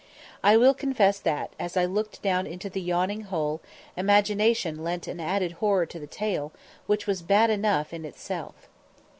I will confess that, as I looked down into the yawning hole, imagination lent an added horror to the tale, which was bad enough in itself.